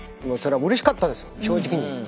もうそれはうれしかったです正直に。